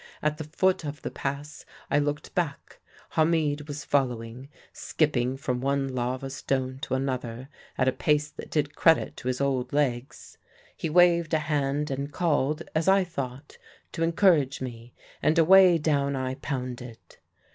At the foot of the pass I looked back. Hamid was following, skipping from one lava stone to another at a pace that did credit to his old legs. He waved a hand and called as I thought, to encourage me; and away down I pounded.